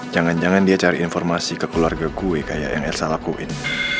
jangan jangan dia cari informasi ke keluarga gue kayak yang ersa lakuin